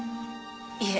いえ。